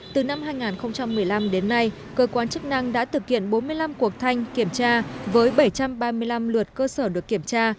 từ năm hai nghìn một mươi năm đến nay cơ quan chức năng đã thực hiện bốn mươi năm cuộc thanh kiểm tra với bảy trăm ba mươi năm lượt cơ sở được kiểm tra